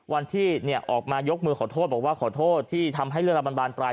วันที่ออกมายกมือขอโทษบอกว่าขอโทษที่ทำให้เรื่องราวมันบานปลาย